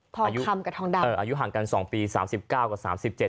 อายุคำกับทองดำเอออายุห่างกันสองปีสามสิบเก้ากับสามสิบเจ็ด